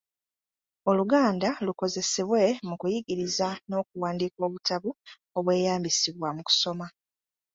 Oluganda lukozesebwe mu kuyigiriza n’okuwandiika obutabo obweyambisibwa mu kusoma.